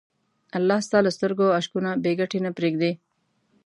الله ستا له سترګو اشکونه بېګټې نه پرېږدي.